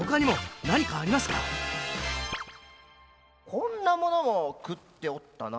こんなものも食っておったな。